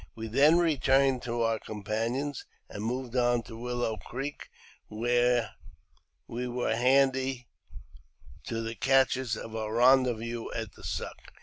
We then returned to our companions, and moved on to Willow Creek, where we were handy to the caches oi our rendezvous at the "Suck."